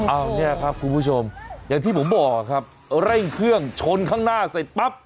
เอาเนี่ยครับคุณผู้ชมอย่างที่ผมบอกครับเร่งเครื่องชนข้างหน้าเสร็จปั๊บ